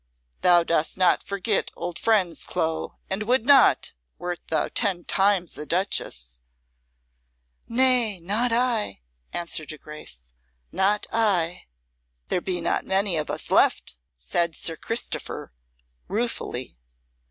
Thou dost not forget old friends, Clo, and would not, wert thou ten times a Duchess." "Nay, not I," answered her Grace. "Not I." "There be not many of us left," said Sir Christopher, ruefully.